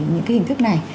những cái hình thức này